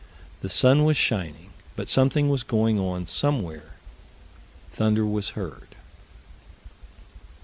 The sun was shining, but something was going on somewhere: thunder was heard.